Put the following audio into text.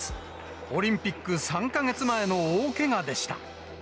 オリンピック３か月前の大けがでした。